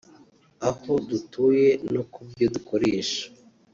aho dutuye no ku byo dukoresha